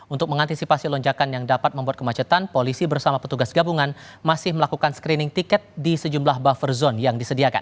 untuk mengantisipasi lonjakan yang dapat membuat kemacetan polisi bersama petugas gabungan masih melakukan screening tiket di sejumlah buffer zone yang disediakan